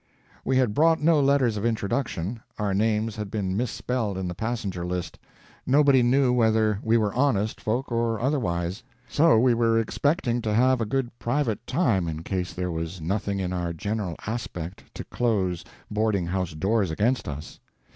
We had brought no letters of introduction; our names had been misspelled in the passenger list; nobody knew whether we were honest folk or otherwise. So we were expecting to have a good private time in case there was nothing in our general aspect to close boarding house doors against us.